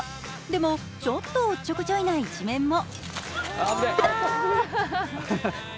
でも、ちょっとおっちょこちょいな一面も。